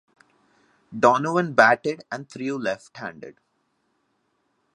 Donovan batted and threw left-handed.